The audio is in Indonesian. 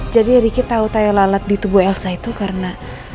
jadi ricky tau tayang lalat di tubuh elsa itu karena